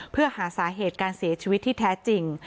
เพื่อหาสาเหตุการเสียชีวิตที่แท้จริง